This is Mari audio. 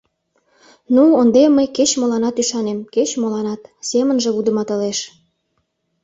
— Ну, ынде мый кеч-моланат ӱшанем, кеч-моланат, — семынже вудыматылеш.